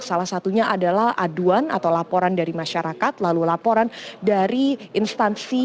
salah satunya adalah aduan atau laporan dari masyarakat lalu laporan dari instansi